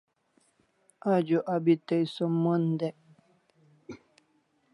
Ajo abi tai som mon dek